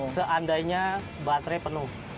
seandainya baterai penuh